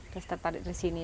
terus terpandang ke sini